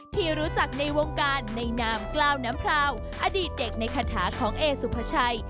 ที่รู้จักในวงการในนามกล้าวน้ำพราวอดีตเด็กในคาถาของเอสุภาชัย